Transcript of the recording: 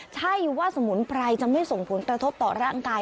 ใช่ว่าสมุนไพรจะไม่ส่งผลกระทบต่อร่างกาย